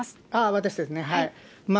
私ですね。